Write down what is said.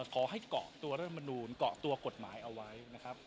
ขอให้เกาะตัวรัฐมนูลเกาะตัวกฎหมายเอาไว้นะครับ